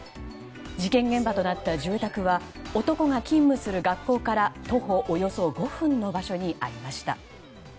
事件現場となった住宅は男が勤務する学校から、徒歩およそ５分の場所にありました。